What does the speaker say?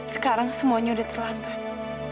sekarang semuanya udah terlambat